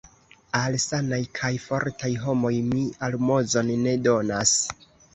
Al sanaj kaj fortaj homoj mi almozon ne donas.